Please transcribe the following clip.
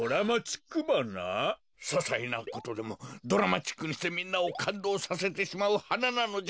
ささいなことでもドラマチックにしてみんなをかんどうさせてしまうはななのじゃ。